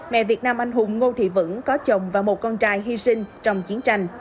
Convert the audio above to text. mẹ việt nam anh hùng ngô thị vững có chồng và một con trai hy sinh trong chiến tranh